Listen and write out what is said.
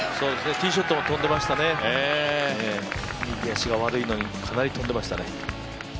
ティーショットも飛んでましたね、右足が悪いのに、かなり飛んでいましたね。